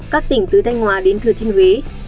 các tỉnh từ thanh hóa đến thừa thiên huế